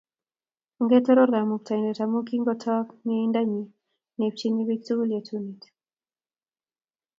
Ongetoror Kamuktaindet amu kigotook mienda nyi neipchini bik tukul yetunet